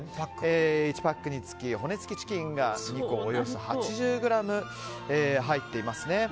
１パックにつき骨付きチキンが２個およそ８０ｇ入っていますね。